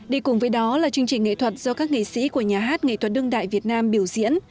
đi cùng với đó là chương trình nghệ thuật do các nghệ sĩ của nhà hát nghệ thuật đương đại việt nam biểu diễn